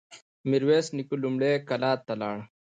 ميرويس نيکه لومړی کلات ته لاړ.